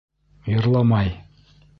Йырламай!